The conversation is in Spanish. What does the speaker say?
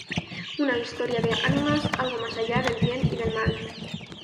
Una historia de ánimas, algo más allá del bien y del mal.